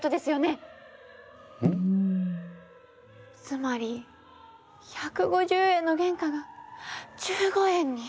つまり１５０円の原価が１５円に。